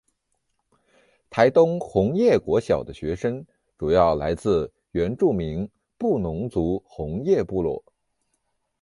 台东红叶国小的学生主要来自原住民布农族红叶部落。